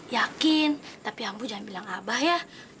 yakin tapi anggu jangan bilang abah ya